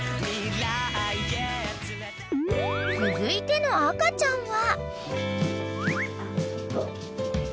［続いての赤ちゃんは］